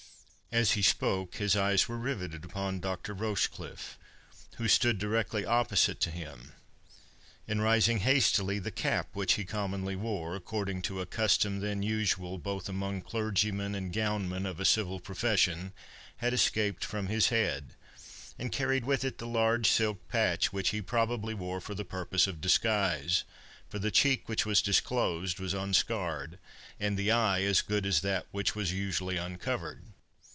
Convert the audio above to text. As he spoke his eyes were riveted upon Dr. Rochecliffe, who stood directly opposite to him. In rising hastily, the cap which he commonly wore, according to a custom then usual both among clergymen and gownmen of a civil profession, had escaped from his head, and carried with it the large silk patch which he probably wore for the purpose of disguise; for the cheek which was disclosed was unscarred, and the eye as good as that which was usually uncovered.